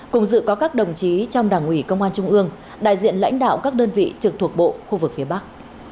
cùng dự có các đồng chí trong đảng ủy công an trung ương đại diện lãnh đạo các đơn vị trực thuộc bộ khu vực phía bắc